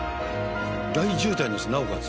大渋滞なんですなおかつ